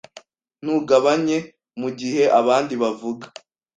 Ntugabanye mugihe abandi bavuga.